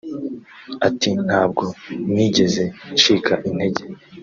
Ati “Ntabwo nigeze ncika intege